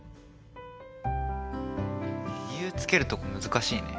理由つけるとこ難しいね。